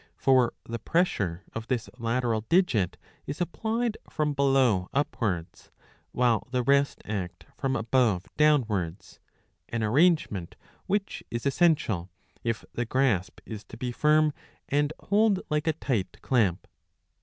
For the pressure of this lateral digit is applied from below upwards, while the rest act from above downwards ; an arrangement which is essential, if the grasp is to be firm and hold like a tight clamp.